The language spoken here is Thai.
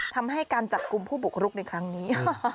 ทำให้การจับกลุ่มผู้บุกรุกในครั้งนี้